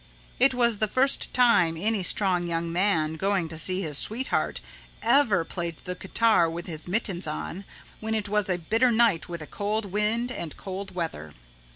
It was the first time any strong young man going to see his sweetheart ever played the guitar with his mittens on when it was a bitter night with a cold wind and cold weather.